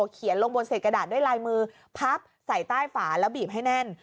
เขียนลงบนเศษกระดาษด้วยลายมือพับใส่ใต้ฝาแล้วบีบให้แน่น